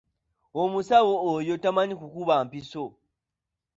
Omusawo oyo tamanyi kukuba mpiso.